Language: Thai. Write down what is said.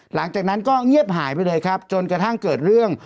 หลังจากนั้นก็เงียบหายไปเลยครับจนกระทั่งเกิดเรื่อง